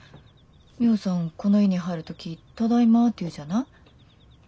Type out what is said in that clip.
ミホさんこの家に入る時「ただいま」って言うじゃない？